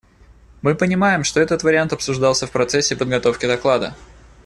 Мы понимаем, что этот вариант обсуждался в процессе подготовки доклада.